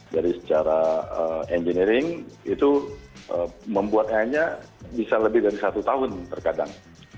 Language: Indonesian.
dari secara engineering itu membuat hanya bisa lebih dari satu tahun terkadang